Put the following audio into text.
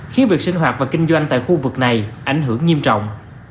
khiến việc sinh hoạt và kinh doanh tại khu vực này ảnh hưởng nghiêm trọng